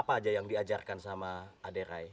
apa aja yang diajarkan sama aderai